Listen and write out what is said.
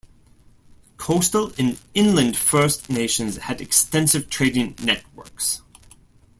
Coastal and inland First Nations had extensive trading networks.